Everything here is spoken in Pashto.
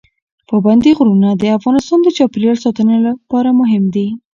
پابندی غرونه د افغانستان د چاپیریال ساتنې لپاره مهم دي.